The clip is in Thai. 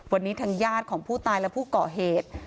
วันนี้ทางญาติของผู้ตายและผู้ก่อเหตุ